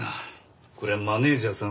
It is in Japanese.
こりゃマネジャーさん